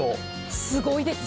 すごいですよ。